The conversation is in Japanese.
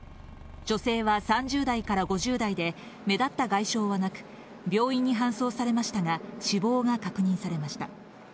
女性は３０代から５０代で、目立った外傷はなく、病院に搬送されましたが、死亡が確認されました。